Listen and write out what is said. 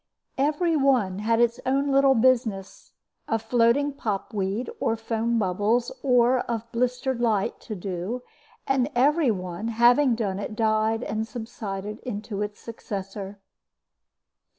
Every one had its own little business, of floating pop weed or foam bubbles or of blistered light, to do; and every one, having done it, died and subsided into its successor.